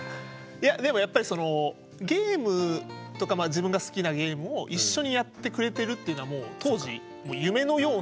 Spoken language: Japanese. いやでもやっぱりゲームとか自分が好きなゲームを一緒にやってくれてるっていうのはもう当時夢のような。